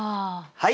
はい。